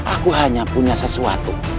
aku hanya punya sesuatu